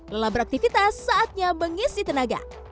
lelah beraktivitas saatnya mengisi tenaga